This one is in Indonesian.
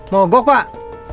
mau gok pak